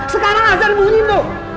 sekarang azan bunyi tuh